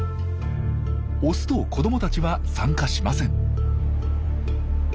オスと子どもたちは参加しません。